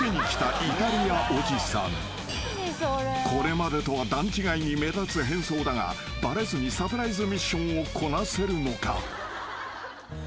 ［これまでとは段違いに目立つ変装だがバレずにサプライズミッションをこなせるのか？］